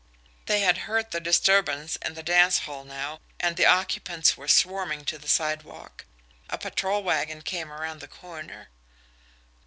They had heard the disturbance in the dance hall now and the occupants were swarming to the sidewalk. A patrol wagon came around the corner.